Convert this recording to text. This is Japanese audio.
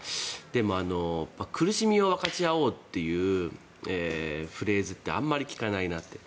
でも、苦しみを分かち合おうっていうフレーズってあまり聞かないなって。